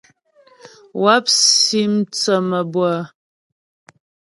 Wáp si mthə́ mabʉə́ə.